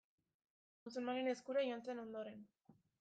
Musulmanen eskura joan zen ondoren.